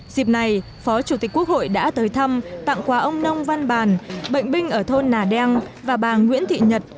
dịp này phó chủ tịch quốc hội đã tới thăm tặng quà ông nông văn bàn bệnh binh ở thôn nà đen và bà nguyễn thị nhật